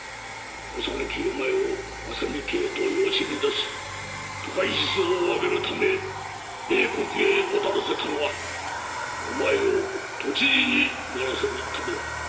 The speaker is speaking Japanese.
幼きお前を麻実家へと養子に出し都会指数を上げるため米国へ渡らせたのはお前を都知事にならせるためだ。